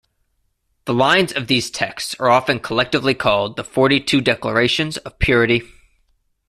The lines of these texts are often collectively called the "Forty-Two Declarations of Purity".